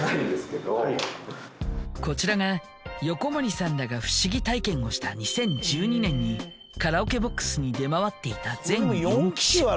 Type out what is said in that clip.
こちらが横森さんらが不思議体験をした２０１２年にカラオケボックスに出回っていた全４機種。